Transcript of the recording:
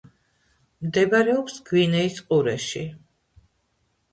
მდებარეობს გვინეის ყურეში.